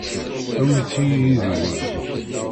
Awit-iyi yid-wen.